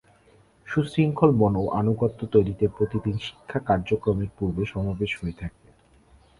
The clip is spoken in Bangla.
সুশৃঙ্খল মন ও আনুগত্য তৈরিতে, প্রতিদিন শিক্ষা কার্যক্রমের পূর্বে সমাবেশ হয়ে থাকে।